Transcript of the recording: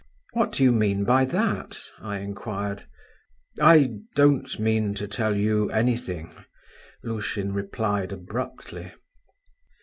"What do you mean by that?" I inquired. "I don't mean to tell you anything," Lushin replied abruptly.